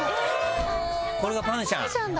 これがパンシャン？